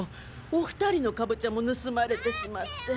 お２人のカボチャも盗まれてしまって。